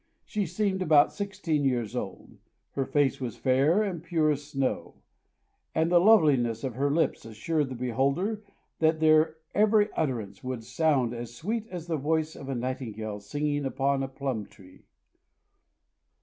She seemed about sixteen years old; her face was fair and pure as snow; and the loveliness of her lips assured the beholder that their every utterance would sound "as sweet as the voice of a nightingale singing upon a plum tree."